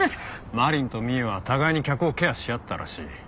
愛鈴と美依は互いに客をケアし合ってたらしい。